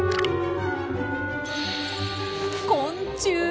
昆虫！